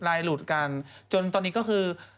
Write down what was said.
รายหยี่หลุดกันจนตอนนี้ก็คือ